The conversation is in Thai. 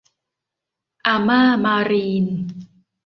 อาม่า มารีน